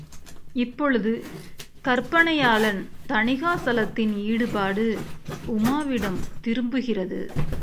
இப்பொழுது கற்பனையாளன் தணிகாசலத்தின் ஈடுபாடு உமாவிடம் திரும்புகிறது.